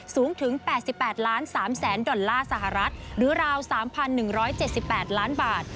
สูงถึง๘๘ล้าน๓แสนดอลลาร์สหรัฐหรือราว๓๑๗๘ล้านบาท